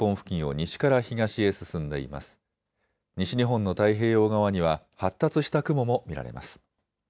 西日本の太平洋側には発達した雲も見られます。